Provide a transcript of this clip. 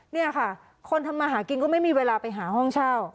นี่ค่ะคนทำมาหากินก็ไม่มีเวลาไปหาห้องเช่า